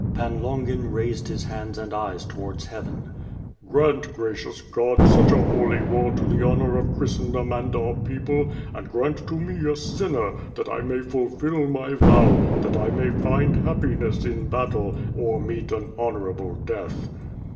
Pan Longin raised his hands and eyes towards heaven. "Grant, gracious God, such a holy war to the honor of Christendom and our people; and grant to me, a sinner, that I may fulfil my vow, that I may find happiness in battle, or meet an honorable death."